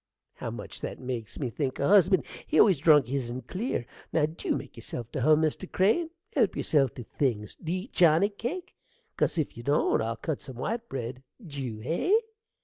How much that makes me think o' husband! he always drunk hisen clear. Now, dew make yerself to hum, Mr. Crane: help yerself to things. Do you eat johnny cake? 'cause if you don't I'll cut some white bread. Dew, hey?